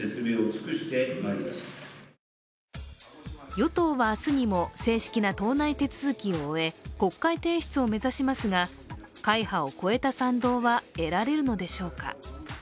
与党は明日にも正式な党内手続きを終え国会提出を目指しますが会派を超えた賛同は得られるのでしょうか。